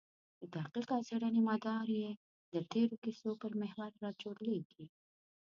د تحقیق او څېړنې مدار یې د تېرو کیسو پر محور راچورلېږي.